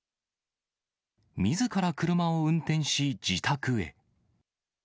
みずから車を運転し、自宅へ。